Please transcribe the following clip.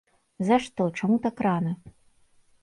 За што, чаму так рана?